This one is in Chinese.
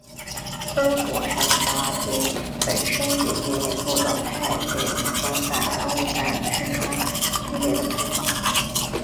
而火山渣锥本身也因为构造太为松散而无法支撑剧烈的喷发。